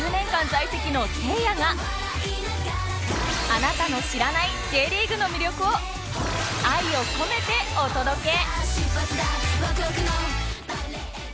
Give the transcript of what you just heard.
あなたの知らない Ｊ リーグの魅力を愛を込めてお届け！